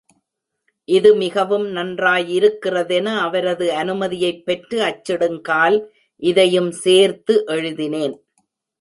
இது மிகவும் நன்றாயிருக்கிறதென, அவரது அனுமதியைப் பெற்று அச்சிடுங்கால் இதையும் சேர்த்து எழுதினேன்.